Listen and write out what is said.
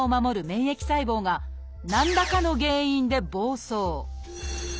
免疫細胞が何らかの原因で暴走。